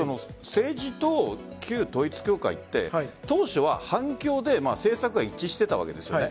政治と旧統一教会って当初は反共で政策が一致していたわけですよね。